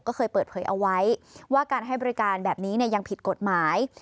ก็เคยเปิดเผยเอาไว้ว่าการให้บริการแบบนี้ยังผิดกฎหมาย